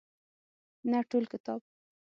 نه ټول کتاب.